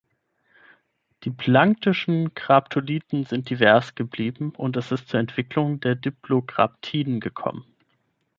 Die planktischen Graptolithen sind divers geblieben und es ist zur Entwicklung der Diplograptiden gekommen.